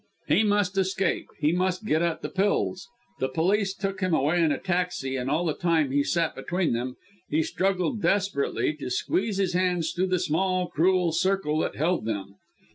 He must escape! He must get at the pills! The police took him away in a taxi, and all the time he sat between them, he struggled desperately to squeeze his hands through the small, cruel circle that held them.